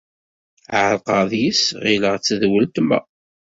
Ɛerqeɣ deg-s, ɣileɣ-tt d weltma.